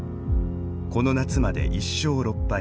この夏まで１勝６敗。